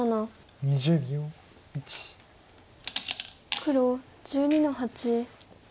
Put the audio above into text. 黒１２の八。